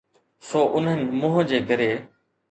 سو انهن منهن جي ڪري.